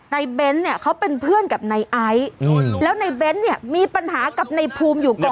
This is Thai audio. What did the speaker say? นายเบนส์เนี้ยเขาเป็นเพื่อนกับนายไอซ์อืมแล้วนายเบนส์เนี้ยมีปัญหากับนายภูมิอยู่ก่อนแล้ว